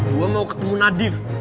gua mau ketemu nadif